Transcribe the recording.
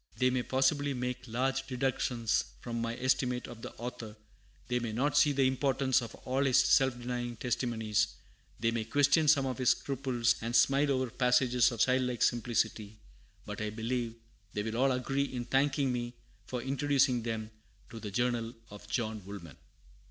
They may possibly make large deductions from my estimate of the author; they may not see the importance of all his self denying testimonies; they may question some of his scruples, and smile over passages of childlike simplicity; but I believe they will all agree in thanking me for introducing them to the Journal of John Woolman.